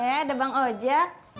eh ada bang oja